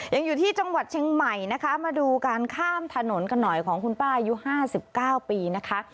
ยังอยู่ที่จังหวัดเชียงใหม่นะคะมาดูการข้ามถนนกันหน่อยของคุณป้าอายุ๕๙ปีนะคะ